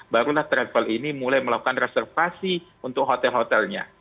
barulah travel ini mulai melakukan reservasi untuk hotel hotelnya